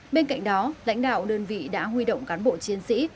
bên cạnh đó lãnh đạo đơn vị đã huy động cán bộ chiến sĩ